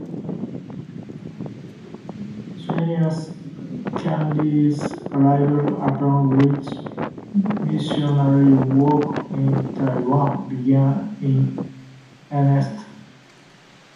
Georgius Candidius, arrived, upon which missionary work in Taiwan began in earnest.